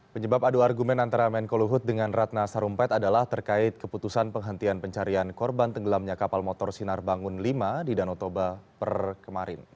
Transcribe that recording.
penyebab adu argumen antara menko luhut dengan ratna sarumpait adalah terkait keputusan penghentian pencarian korban tenggelamnya kapal motor sinar bangun v di danau toba per kemarin